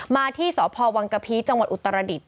มาที่สพวังกะพีจังหวัดอุตรดิษฐ